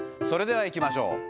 それではいきましょう。